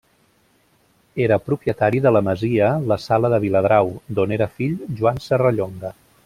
Era propietari de la masia la Sala de Viladrau, d'on era fill Joan Serrallonga.